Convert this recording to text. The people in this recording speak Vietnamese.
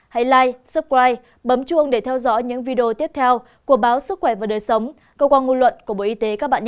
hãy like subscribe bấm chuông để theo dõi những video tiếp theo của báo sức khỏe và đời sống cơ quan ngôn luận của bộ y tế các bạn nhé